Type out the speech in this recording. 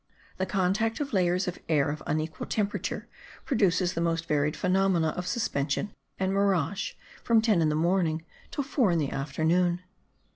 The contact of layers of air of unequal temperature produces the most varied phenomena of suspension and mirage from ten in the morning till four in the afternoon.